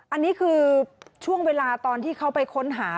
อันนี้คือช่วงเวลาตอนที่เขาไปค้นหา